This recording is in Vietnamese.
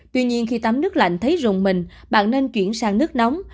tuy nhiên khi tắm nước lạnh thấy rùng mình bạn nên chuyển sang nước nóng